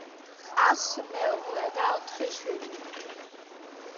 ჰყავს მეუღლე და ოთხი შვილი.